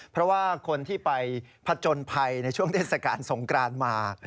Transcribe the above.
เพราะว่าคนที่ไปผจญภัยในช่วงเทศกาลสงกรานมา